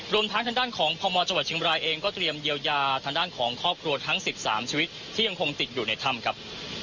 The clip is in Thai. รวมทั้งทางด้านของพมจังหวัดเชียงบรายเองก็เตรียมเยียวยาทางด้านของครอบครัวทั้ง๑๓ชีวิตที่ยังคงติดอยู่ในถ้ำครับ